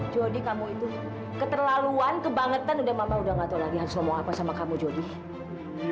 kamu itu keterlaluan kebangetan udah mama udah gak tau lagi harus ngomong apa sama kamu jody